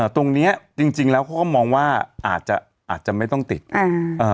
ตรงเนี้ยจริงจริงแล้วเขาก็มองว่าอาจจะอาจจะไม่ต้องติดอ่า